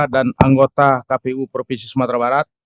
dan anggota kpu provinsi sumatera barat